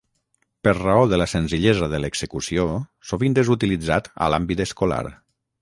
Per raó de la senzillesa de l'execució, sovint és utilitzat a l'àmbit escolar.